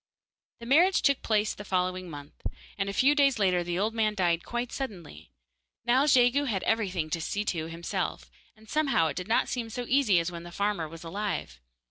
The marriage took place the following month, and a few days later the old man died quite suddenly. Now Jegu had everything to see to himself, and somehow it did not seem so easy as when the farmer was alive.